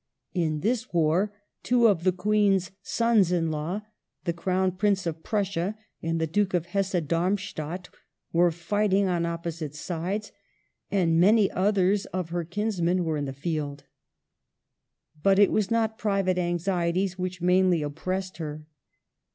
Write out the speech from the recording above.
In this war two of the Queen's sons in law, the Crown Prince of Prussia and the Duke of Hesse Dai mstadt, were fighting on opposite sides, and many others of her kinsmen were in the field. But it was not private anxieties which mainly op pressed her.